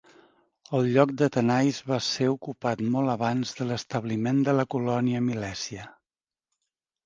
El lloc de Tanais va ser ocupat molt abans de l'establiment de la colònia milèsia.